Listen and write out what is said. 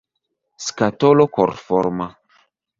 Skatolo korforma.